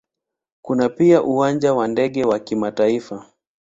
Kuna pia Uwanja wa ndege wa kimataifa.